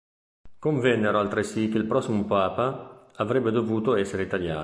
Convennero altresì che il prossimo papa avrebbe dovuto essere italiano.